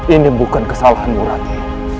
ini bukan kesalahanmu rati